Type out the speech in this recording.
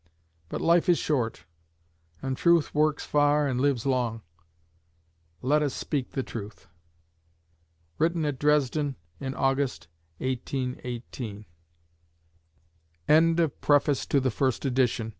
But life is short, and truth works far and lives long: let us speak the truth. Written at Dresden in August 1818. PREFACE TO THE SECOND EDITION.